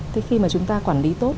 thế khi mà chúng ta quản lý tốt